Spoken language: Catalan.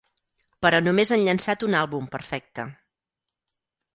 Però només han llançat un àlbum perfecte.